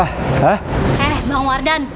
eh bang wardan